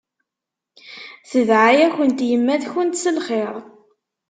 Tedɛa-yakent yemma-tkent s lxir.